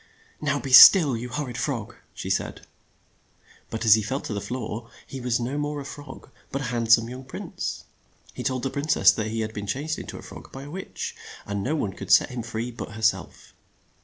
"Now be still, you hor rid frog," she said. But as he fell to the floor, he was no more a frog, but a hand some young prince. He told the prin cess that he had been changed in to a frog by a witch, and no one could set him free but her self.